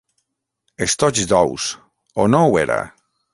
Estoig d'ous, o no ho era?